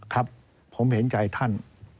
ครับผมเห็นใจท่าน